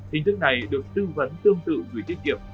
hình thức này được tư vấn tương tự gửi tiết kiệm